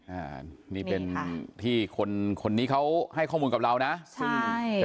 อ่านี่เป็นที่คนคนนี้เขาให้ข้อมูลกับเรานะซึ่งใช่